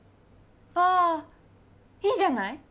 ああいいんじゃない？